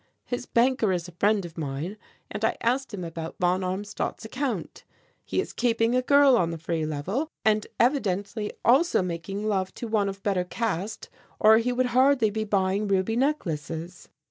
His banker is a friend of mine, and I asked him about von Armstadt's account. He is keeping a girl on the Free Level and evidently also making love to one of better caste, or he would hardly be buying ruby necklaces.'